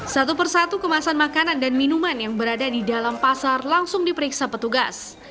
satu persatu kemasan makanan dan minuman yang berada di dalam pasar langsung diperiksa petugas